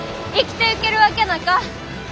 生きていけるわけなか。